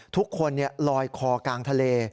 ทุกคนเนี่ยลอยคอกลางทะเล